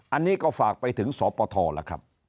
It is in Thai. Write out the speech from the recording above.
อันนี้ก็ฝากไปถึงสปทล่ะครับ